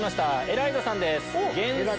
エライザさんです。